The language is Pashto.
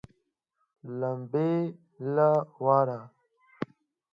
لمبې له واره